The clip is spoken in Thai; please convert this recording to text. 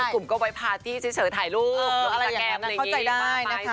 หรือกลุ่มก็ไว้พาร์ตี้เฉยถ่ายรูปหรืออะไรอย่างนั้นเข้าใจได้นะคะ